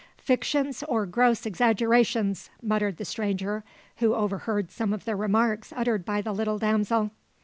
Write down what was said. "Fictions or gross exaggerations!" muttered the stranger, who overheard some of the remarks uttered by the little damsel.